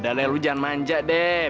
udah lah lu jangan manja deh